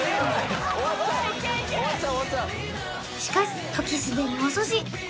しかし時すでに遅し